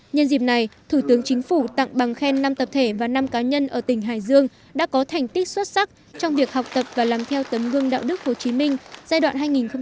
nhân dịp này thủ tướng chính phủ tặng bằng khen năm tập thể và năm cá nhân ở tỉnh hải dương đã có thành tích xuất sắc trong việc học tập và làm theo tấm gương đạo đức hồ chí minh giai đoạn hai nghìn một mươi sáu hai nghìn hai mươi